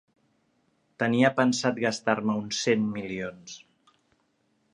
Tenia pensat gastar-me uns cent milions.